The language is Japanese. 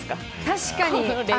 確かに！